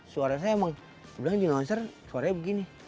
suara saya emang bilang jengol jengol suaranya begini